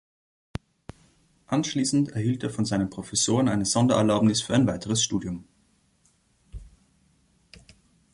Anschließend erhielt er von seinen Professoren eine Sondererlaubnis für ein weiteres Studium.